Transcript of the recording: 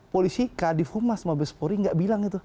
polisi kadif humas mabespori nggak bilang itu